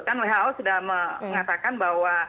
kan who sudah mengatakan bahwa